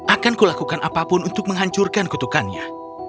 akanku lakukan apapun untuk menghancurkan kutukannya